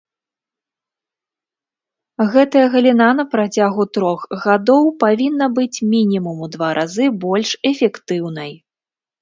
Гэтая галіна на працягу трох гадоў павінна быць мінімум у два разы больш эфектыўнай.